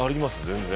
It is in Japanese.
全然。